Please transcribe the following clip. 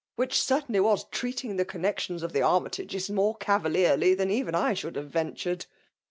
Which certainly was treating the connexions of the Armytages more cavalierly than even I should have ventured.